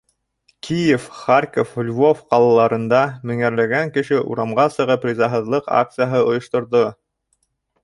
Киев, Харьков, Львов ҡалаларында, меңәрләгән кеше урамға сығып, ризаһыҙлыҡ акцияһы ойошторҙо.